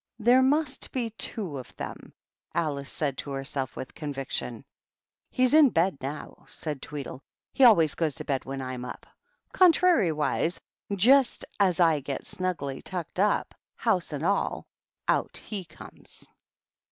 "There must be two of them," Alice said to herself, with conviction. " He's in bed now," said Tweedle. " He alwayg goes to bed when I'm up. Contrariwise, just a^ I get snugly tucked up, house and all, out Ju comes."